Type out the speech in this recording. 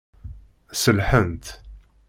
Sellḥent.